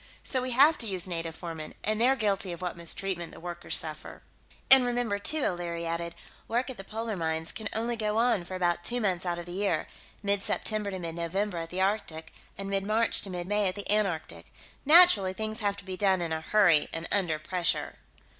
So we have to use native foremen, and they're guilty of what mistreatment the workers suffer." "And remember, too," O'Leary added, "work at the polar mines can only go on for about two months out of the year mid September to mid November at the Arctic, and mid March to mid May at the Antarctic. Naturally, things have to be done in a hurry and under pressure."